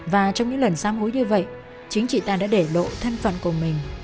và trong những lần sám hối như vậy chính trị ta đã để lộ thân phận của mình